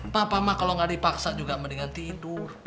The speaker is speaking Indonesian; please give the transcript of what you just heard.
papa mah kalau nggak dipaksa juga mendingan tidur